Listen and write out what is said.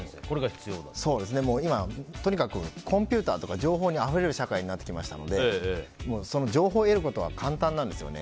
今、とにかくコンピューターとか、情報にあふれる社会になってきましたので情報を得ることは簡単なんですよね。